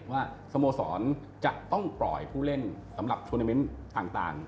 ว่าสโมสรจะต้องปล่อยผู้เล่นสำหรับทวนาเมนต์ต่าง